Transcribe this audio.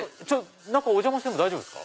中お邪魔しても大丈夫ですか？